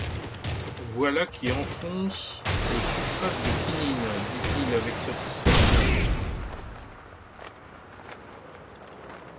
Voilà qui enfonce le sulfate de quinine, dit-il avec satisfaction.